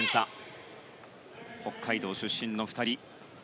北海道出身の２人。